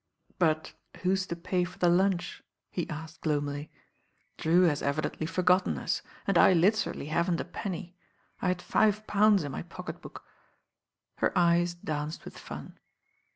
"But who's to pay for the lunch ?" he asked gloom ily. "Drew has evidently forgotten us, and I literally haven't a penny. I had five pounds in my pocket>book." Her eyes danced with fun.